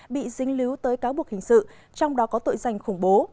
bị dính líu tới cáo buộc hình sự trong đó có tội danh khủng bố